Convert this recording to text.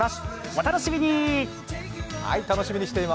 お楽しみに。